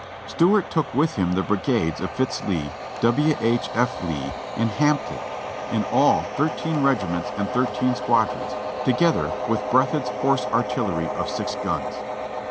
Stuart took with him the brigades of Fitz Lee, \V. H. F. Lee, and Hampton — in all thirteen regiments and three squadrons, together with Breathed's horse artillery of six guns.